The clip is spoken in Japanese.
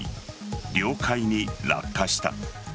領海に落下した。